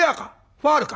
ファウルか？